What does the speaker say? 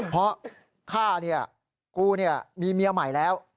เพราะข้าเนี่ยกูมีเมียใหม่แล้ว